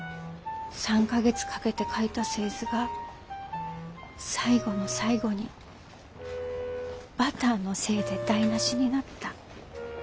３か月かけて描いた製図が最後の最後にバターのせいで台なしになった。